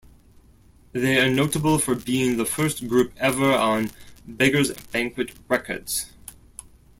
They are notable for being the first group ever on Beggars Banquet Records.